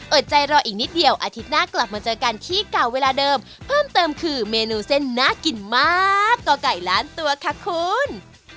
ใจรออีกนิดเดียวอาทิตย์หน้ากลับมาเจอกันที่เก่าเวลาเดิมเพิ่มเติมคือเมนูเส้นน่ากินมากก่อไก่ล้านตัวค่ะคุณ